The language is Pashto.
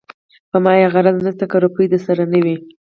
په ما يې غرض نشته که روپۍ درسره نه وي.